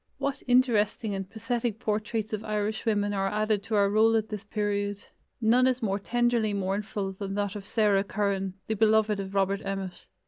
What interesting and pathetic portraits of Irishwomen are added to our roll at this period! None is more tenderly mournful than that of Sarah Curran, the beloved of Robert Emmet.